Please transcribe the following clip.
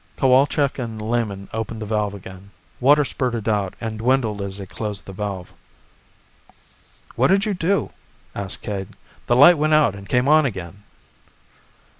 Cowalczk and Lehman opened the valve again. Water spurted out, and dwindled as they closed the valve. "What did you do?" asked Cade. "The light went out and came on again."